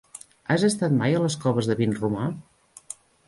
Has estat mai a les Coves de Vinromà?